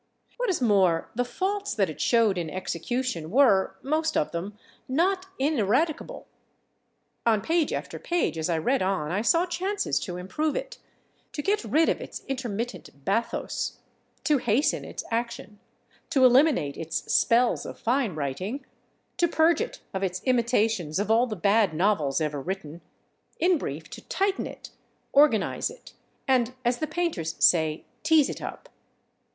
What is more, the faults that it showed in execution were, most of them, not ineradicable. On page after page, as I read on, I saw chances to improve it—to get rid of its intermittent bathos, to hasten its action, to eliminate its spells of fine writing, to purge it of its imitations of all the bad novels ever written—in brief, to tighten it, organize it, and, as the painters say, tease it up.